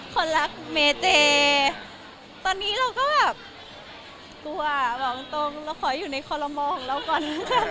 คนรักเมเจตอนนี้เราก็แบบกลัวบอกตรงเราขออยู่ในคอลโมของเราก่อน